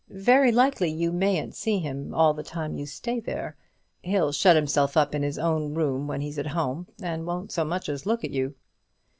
Very likely you mayn't see him all the time you stay there. He'll shut himself up in his own room when he's at home, and won't so much as look at you."